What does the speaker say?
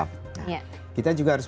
kita juga harus beradaptasi dengan mereka